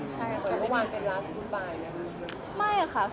แต่ว่าวางเป็นราชบุญบายเนี่ย